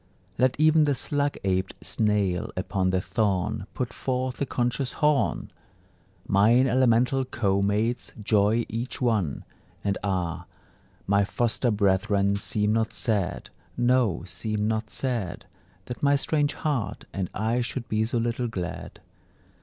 Let even the slug abed snail upon the thorn Put forth a conscious horn! Mine elemental co mates, joy each one; And ah, my foster brethren, seem not sad No, seem not sad, That my strange heart and I should be so little glad.